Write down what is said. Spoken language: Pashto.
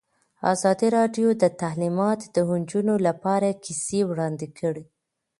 ازادي راډیو د تعلیمات د نجونو لپاره کیسې وړاندې کړي.